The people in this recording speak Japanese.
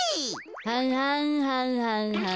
はんはんはんはんはん。